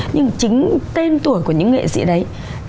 nhưng chính tên tuổi của những nghệ sĩ đấy